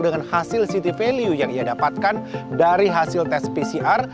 dengan hasil city value yang ia dapatkan dari hasil tes pcr